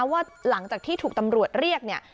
ว่าหลังจากที่ถูกตำรวจเรียกเนี่ย